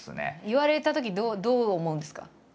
言われたときどう思うんですか？